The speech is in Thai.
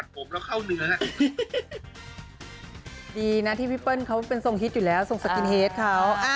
ดีนะที่พี่เปิ้ลเขาเป็นทรงฮิตอยู่แล้วทรงสกินเฮดเขา